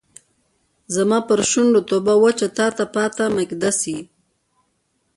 زما پر شونډو توبه وچه تاته پاته میکده سي